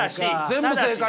全部正解！